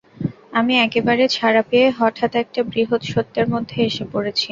আমি একেবারে ছাড়া পেয়ে হঠাৎ একটা বৃহৎ সত্যের মধ্যে এসে পড়েছি।